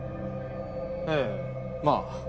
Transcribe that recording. ええまあ。